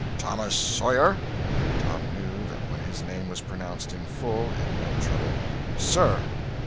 "Thomas Sawyer!" Tom knew that when his name was pronounced in full, it meant trouble. "Sir!"